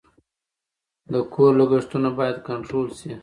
د کور لګښتونه باید کنټرول شي.